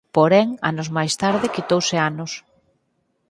Porén anos máis tarde quitouse anos.